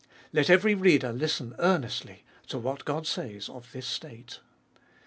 Let every reader listen earnestly to what God says of this state.